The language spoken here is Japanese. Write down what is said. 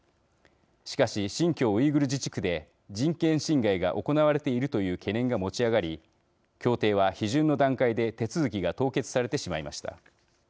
しかし、新疆ウイグル自治区で人権侵害が行われているという懸念が持ち上がり協定は批准の段階で手続きが凍結されてしまいました。